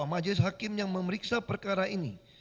majelis hakim yang memeriksa perkara ini